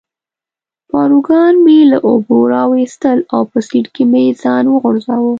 پاروګان مې له اوبو را وویستل او په سیټ کې مې ځان وغورځاوه.